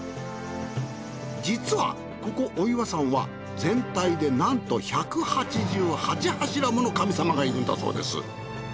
実はここ御岩山は全体でなんと１８８柱もの神様がいるんだそうです。